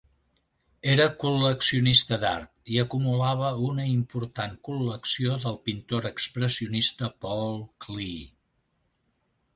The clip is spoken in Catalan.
Era col·leccionista d'art, i acumulava una important col·lecció del pintor expressionista Paul Klee.